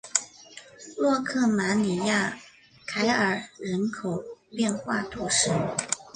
洛克马里亚凯尔人口变化图示